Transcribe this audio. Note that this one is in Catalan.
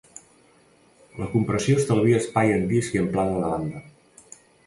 La compressió estalvia espai en disc i amplada de banda.